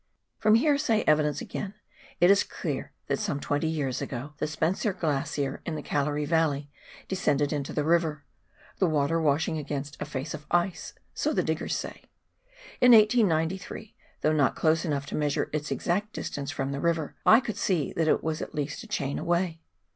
From hearsay evidence again, it is clear that some twenty years ago the Spencer Glacier in the Gallery Yalley descended into the river — the water washing against a face of ice, so the diggers say. In 1893, though not close enough to measure its exact distance from the river, I could see that it was at least a chain away.